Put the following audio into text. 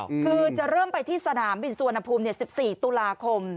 คือจะเริ่มไปที่สนามบินสุวรรณภูมิ๑๔ตุลาคม